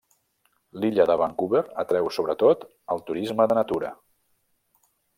L'illa de Vancouver atreu sobretot el turisme de natura.